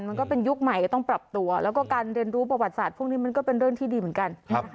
มันก็เป็นยุคใหม่ก็ต้องปรับตัวแล้วก็การเรียนรู้ประวัติศาสตร์พวกนี้มันก็เป็นเรื่องที่ดีเหมือนกัน